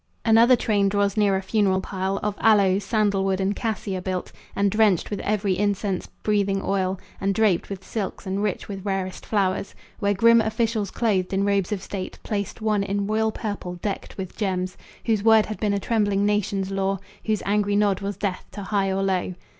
Another train draws near a funeral pile, Of aloes, sandal wood and cassia built, And drenched with every incense breathing oil, And draped with silks and rich with rarest flowers, Where grim officials clothed in robes of state Placed one in royal purple, decked with gems, Whose word had been a trembling nation's law, Whose angry nod was death to high or low.